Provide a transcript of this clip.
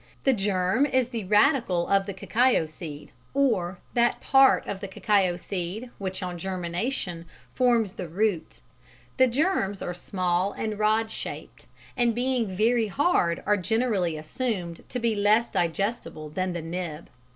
The "germ" is the radicle of the cacao seed, or that part of the cacao seed which on germination forms the root. The germs are small and rod shaped, and being very hard are generally assumed to be less digestible than the nib.